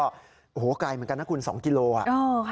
โอ้โหไกลเหมือนกันนะคุณ๒กิโลอ่ะ